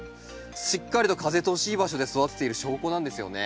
しっかりと風通しいい場所で育てている証拠なんですね。